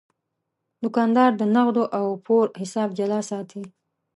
دوکاندار د نغدو او پور حساب جلا ساتي.